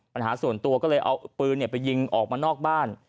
ปัญหาส่วนตัวก็เลยเอาปืนไปยิงออกมานอกบ้าน